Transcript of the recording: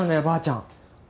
ばあちゃん。